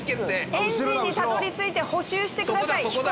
エンジンにたどり着いて補修してください飛行機を。